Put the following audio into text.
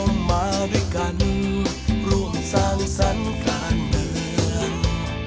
มาด้วยกันร่วมสร้างสรรค์การเมือง